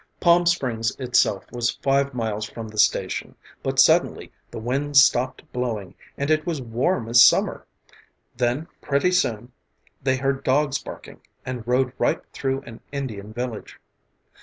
Palm Springs itself was five miles from the station, but suddenly the wind stopped blowing and it was warm as summer, then pretty soon they heard dogs barking and rode right through an Indian village.